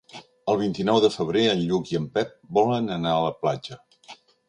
El vint-i-nou de febrer en Lluc i en Pep volen anar a la platja.